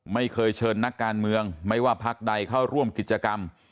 ไม่เคยเชิญนักการเมืองไม่ว่าพักใดเข้าร่วมกิจกรรม